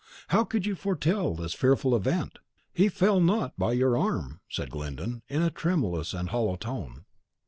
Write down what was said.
"How could you foretell this fearful event? He fell not by your arm!" said Glyndon, in a tremulous and hollow tone.